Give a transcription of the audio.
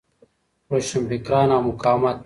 روشنفکران او مقاومت